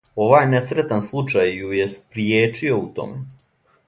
Овај несретан случај ју је спријечио у томе.